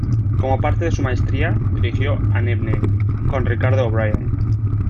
Como parte de su maestría dirigió "An Evening" con Richard O'Brien.